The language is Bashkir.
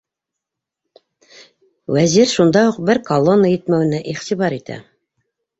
Вәзир шунда уҡ бер колонна етмәүенә иғтибар итә.